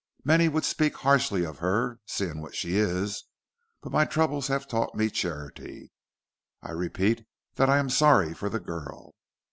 Many would speak harshly of her, seeing what she is, but my troubles have taught me charity. I repeat that I am sorry for the girl."